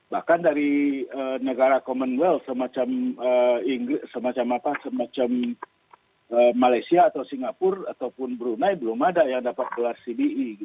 bahkan dari negara commonwealth semacam malaysia atau singapura ataupun brunei belum ada yang dapat gelar cbe